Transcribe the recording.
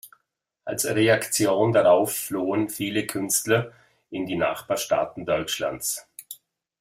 Als Reaktion darauf flohen viele Künstler in die Nachbarstaaten Deutschlands.